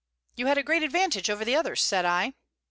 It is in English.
"You had a great advantage over the others," said I.